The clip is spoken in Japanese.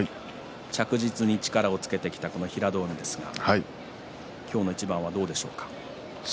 着実に力をつけてきたこの平戸海ですが今日の一番は、どうでしょうか。